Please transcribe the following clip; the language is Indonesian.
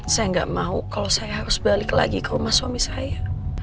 saya nggak mau kalau saya harus balik lagi ke rumah suami saya